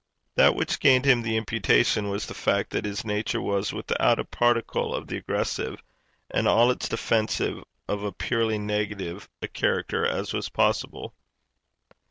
That which gained him the imputation was the fact that his nature was without a particle of the aggressive, and all its defensive of as purely negative a character as was possible.